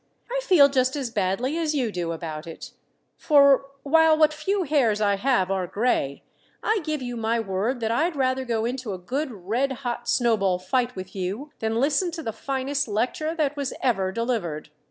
I feel just as badly as you do about it; for while what few hairs I have are gray, I give you my word that I'd rather go into a good redhot snowball fight with you than listen to the finest lecture that was ever delivered.